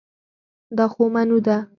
دا خو منو ده